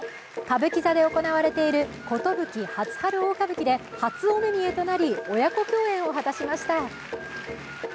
歌舞伎座で行われている「壽初春大歌舞伎」で初お目見えとなり、親子共演を果たしました。